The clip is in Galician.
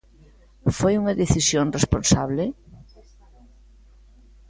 ¿Foi unha decisión responsable?